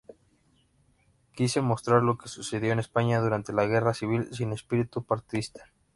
Quise mostrar lo que sucedió en España durante la guerra civil sin espíritu partidista.